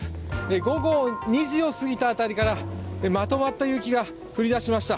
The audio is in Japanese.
午後２時を過ぎた辺りからまとまった雪が降り出しました。